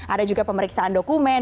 ada juga pemeriksaan dokumen